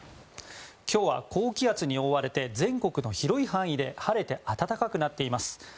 今日は高気圧に覆われて全国の広い範囲で晴れて暖かくなっています。